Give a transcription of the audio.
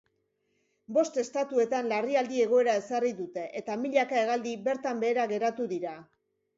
Bost estatuetan larrialdi egoera ezarri dute eta milaka hegaldi bertan behera geratu dira.